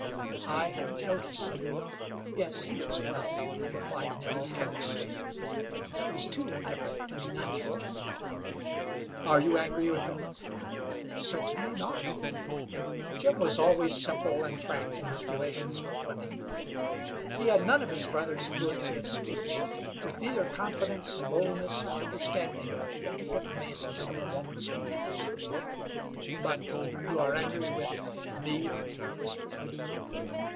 "I hadn't noticed. Yes; he looks well," replied Nell, carelessly. She was too indifferent to be natural. "Are you angry with him?" "Certainly not." Jim was always simple and frank in his relations with women. He had none of his brother's fluency of speech, with neither confidence, boldness nor understanding of the intricate mazes of a woman's moods. "But you are angry with me?" he whispered.